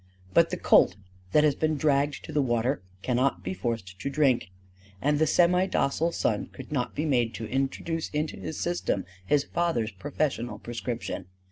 But the colt that has been dragged to the water cannot be forced to drink; and the semi docile son could not be made to introduce into his system his father's professional prescription.